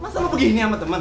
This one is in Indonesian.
masa lo begini sama temen